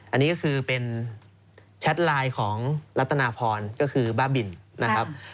อันนี้ก็คือเป็นแชทไลน์ของรัฐนาพรก็คือบ้าบินนะครับ